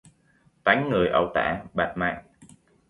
Tánh người ẩu tả bạt mạng